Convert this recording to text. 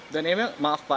dan emil maaf pak